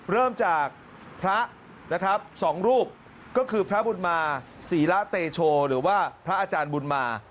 เริ่มจากพระนะครับสองรูปก็คือพระบุญมาศรีละเตโชหรือว่าพระอาจารย์บุญมา